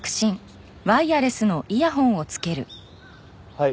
はい。